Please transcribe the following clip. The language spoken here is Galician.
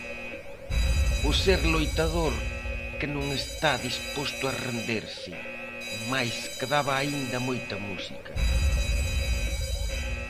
O ser loitador que non está disposto a renderse Mais quedaba aínda moita música.